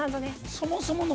そもそもの。